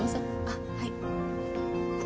あっはい。